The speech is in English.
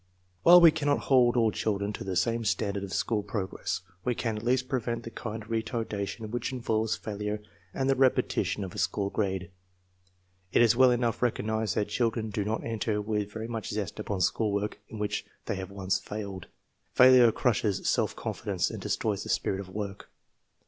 While we cannot hold all children to the same standard of school progress, we can at least prevent the kind of re tardation which involves failure and the repetition of a school grade. It is well enough recognized that children do not enter with very much zest upon school work in which they have once failed. Failure crushes self confidence and destroys the spirit of work.